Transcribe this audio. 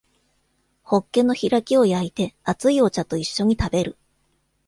ホッケの開きを焼いて熱いお茶と一緒に食べる